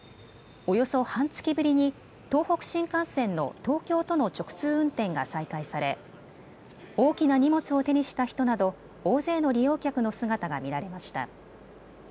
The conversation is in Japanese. およそ半月ぶりに東北新幹線の東京との直通運転が再開され大きな荷物を手にした人など大勢の利用客の姿が見られました。